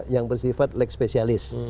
yang bersifat lekspesialis